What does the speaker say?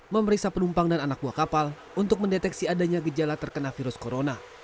memeriksa penumpang dan anak buah kapal untuk mendeteksi adanya gejala terkena virus corona